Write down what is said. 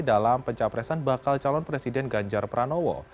dalam pencapresan bakal calon presiden ganjar pranowo